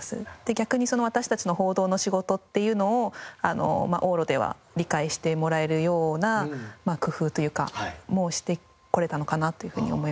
逆にその私たちの報道の仕事っていうのを往路では理解してもらえるような工夫というかもしてこれたのかなというふうに思います。